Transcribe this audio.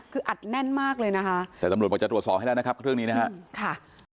คืออัดแน่นมากเลยนะคะแต่ตำรวจบอกจะตรวจสอบให้แล้วนะครับเครื่องนี้นะฮะค่ะ